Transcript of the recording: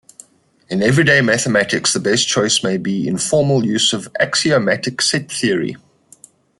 In everyday mathematics the best choice may be informal use of axiomatic set theory.